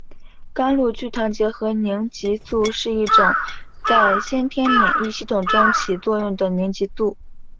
甘露聚糖结合凝集素是一种在先天免疫系统中起作用的凝集素。